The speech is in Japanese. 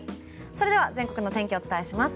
それでは全国の天気をお伝えします。